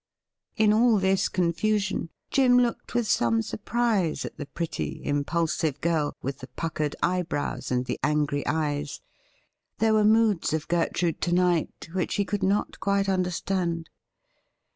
In all this confasion, Jim looked with some surprise at the pretty impulsive girl, with the puckered eyebrows and the angry eyes. There were moods of Gertrude to night which he could not quite understand.